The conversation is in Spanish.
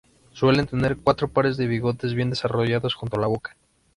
Suelen tener cuatro pares de bigotes bien desarrollados junto a la boca.